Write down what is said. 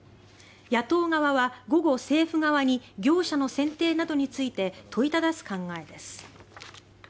野党側は午後、政府側に業者の選定などについて問いただす考えです。